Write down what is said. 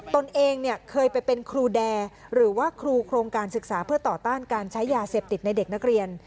ตนเองเนี่ยเคยไปเป็นครูแดหรือว่าครูโครงการศึกษาเพื่อต่อต้านการใช้ยาเสพติดในเด็กนักเรียน